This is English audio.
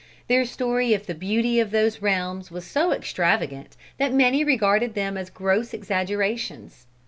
Their story of the beauty of those realms was so extravagant, that many regarded them as gross exaggerations.